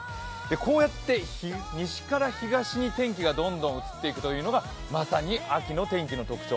こうやって西から東に天気がどんどん移っていくというのがまさに秋の天気の特徴。